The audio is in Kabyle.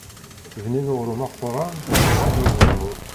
Bnin uɣrum aquran s zzit n uzemmur.